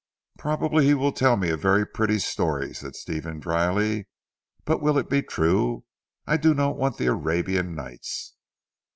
"Probably he will tell me a very pretty story," said Stephen dryly, "but will it be true. I do not want the Arabian Nights."